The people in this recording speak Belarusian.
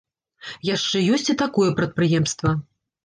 Яшчэ ёсць і такое прадпрыемства.